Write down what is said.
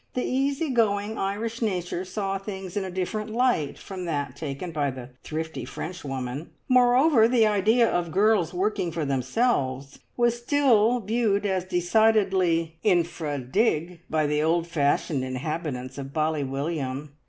The easy going Irish nature saw things in a different light from that taken by the thrifty Frenchwoman; moreover, the idea of girls working for themselves was still viewed as decidedly infra dig by the old fashioned inhabitants of Bally William.